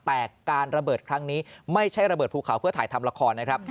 แต่การระเบิดครั้งนี้ไม่ใช่ระเบิดภูเขาเพื่อถ่ายทำละครนะครับ